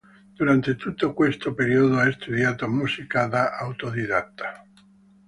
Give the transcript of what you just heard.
Durante tutto questo periodo, ha studiato musica da autodidatta.